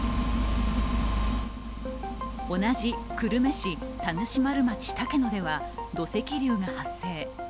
同じ久留米市田主丸町竹野では土石流が発生。